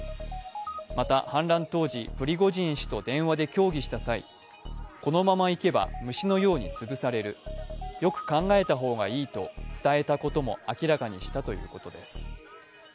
また、反乱当時、プリゴジン氏と電話で協議した際、このままいけば虫のように潰されるよく考えた方がいいと伝えたことも明らかにしたということです。